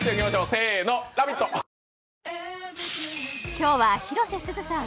今日は広瀬すずさん